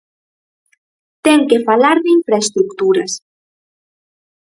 Ten que falar de infraestruturas.